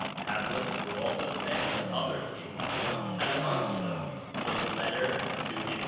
Tablets 2 were also sent to other kings, and amongst them was the letter to H.M.